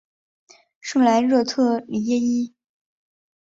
圣莱热特里耶伊。